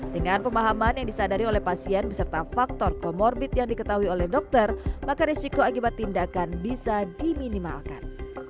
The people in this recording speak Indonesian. dengan pemahaman yang disadari oleh pasien beserta faktor komorbid yang diketahui oleh dokter maka risiko akibat tindakan bisa diminimalkan